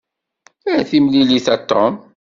Ar timlilit a Tom.